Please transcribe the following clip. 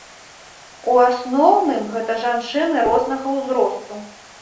У асноўным, гэта жанчыны рознага ўзросту.